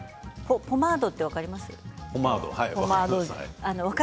ポマード、分かりますか？